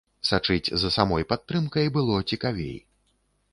Сачыць за самой падтрымкай было цікавей.